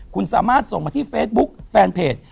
คุณสามารถส่งมาที่เฟซบุ๊คแฟนเพจ